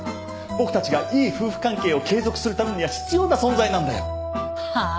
僕たちがいい夫婦関係を継続するためには必要な存在なんだよ。はあ？